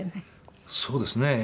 そうですね。